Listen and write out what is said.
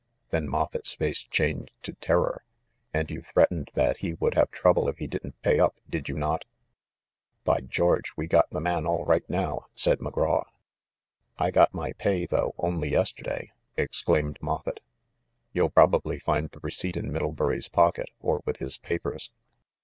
Then Moffett's face changed to ter ror. "And you threatened that he would have trouble if he didn't pay up, did you not ?" "By George! we got the man all right now!" said McGraw. "I got my pay, though, only yesterday," exclaimed Moffett. "You'll probably find the receipt in Middle bury's pocket, or with his papers."